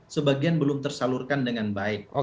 sebagian belum tersalurkan dengan baik